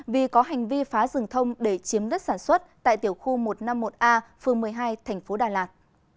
vì có hành vi phá rừng thông để chiếm đất sản xuất tại tiểu khu một trăm năm mươi một a phương một mươi hai tp đà lạt